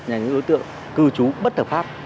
là những đối tượng cư trú bất thực pháp